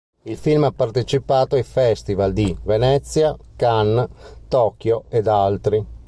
Il film ha partecipato ai festival di Venezia, Cannes, Tokyo ed altri.